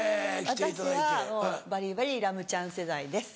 私はバリバリラムちゃん世代です。